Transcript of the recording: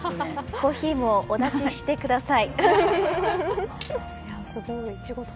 コーヒーもお出ししてください。